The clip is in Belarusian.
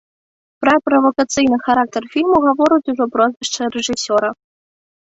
Пра правакацыйны характар фільму гаворыць ужо прозвішча рэжысёра.